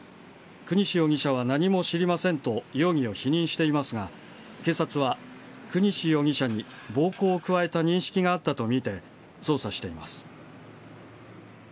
國司容疑者は何も知りませんと容疑を否認していますが、警察は、國司容疑者に暴行を加えた認識があったと見て捜査しています。